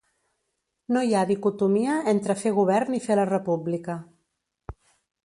No hi ha dicotomia entre fer govern i fer la república.